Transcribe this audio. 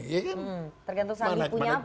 tergantung sandi punya apa